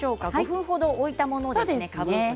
５分程置いたものですね。